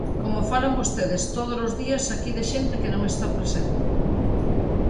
Como falan vostedes todos os días aquí de xente que non está presente.